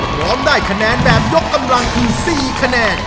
พร้อมได้คะแนนแบบยกกำลังคือ๔คะแนน